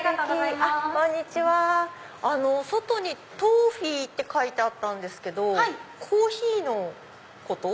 外にＴＯＦＦＥＥって書いてあったんですけどコーヒーのこと？